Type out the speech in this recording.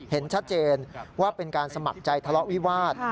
เห็นชัดเจนว่าเป็นการสมัครใจทะเลาะวิวาส